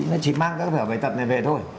nó chỉ mang các bài tập này về thôi